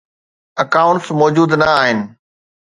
Accounts موجوده نه آهن.